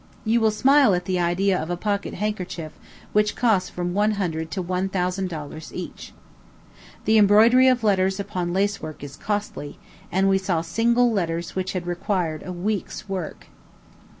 You will smile at the idea of pocket handkerchiefs which cost from one hundred to one thousand dollars each. The embroidery of letters upon lacework is costly; and we saw single letters which had required a week's work.